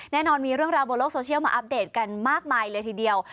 แน่นอนมีเรื่องราวบนโลกโซเชียลมาอัปเดตกันมากมายเลยทีเดียว